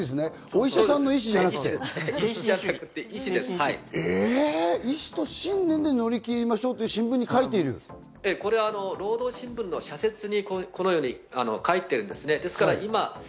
お医者さんの医師ではなくて。え、意志と信念で乗り切りましょうと新聞に書いてある、労働新聞の社説にこのように書いてあるんですね。